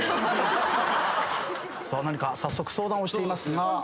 さあ何か早速相談をしていますが。